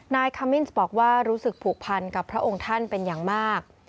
นายคามินส์บอกว่ารู้สึกผูกพันกับพระองค์ท่านเป็นอย่างมาก